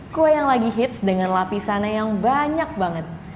kue yang lagi hits dengan lapisannya yang banyak banget